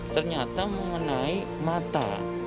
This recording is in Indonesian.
ternyata mengenai mata